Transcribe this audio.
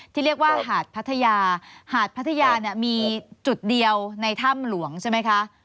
ที่เรียกว่าหาดพัทยาหาดพัทยาเนี่ยมีจุดเดียวในถ้ำหลวงใช่ไหมคะ